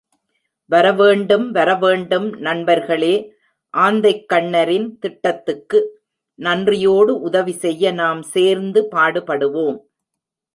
வரவேண்டும் வரவேண்டும் நண்பர்களே ஆந்தைக்கண்ணரின் திட்டத்துக்கு நன்றியோடு உதவிசெய்ய நாம் சேர்ந்து பாடுபடுவோம்.